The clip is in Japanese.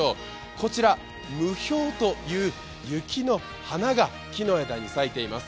こちら、霧氷という雪の花が木の枝に咲いています。